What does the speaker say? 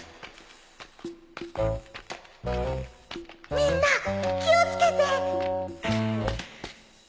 みんな気を付けて。